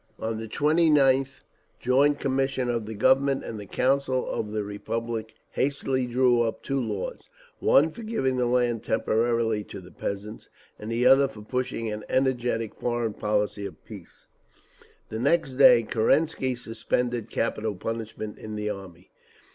On the 29th joint commission of the Government and the Council of the Republic hastily drew up two laws, one for giving the land temporarily to the peasants, and the other for pushing an energetic foreign policy of peace. The next day Kerensky suspended capital punishment in the army.